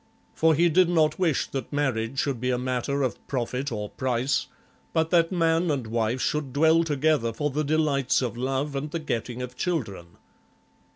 For he did not wish that marriage should be a matter of profit or price, but that man and wife should dwell together for the delights of love and the getting of children.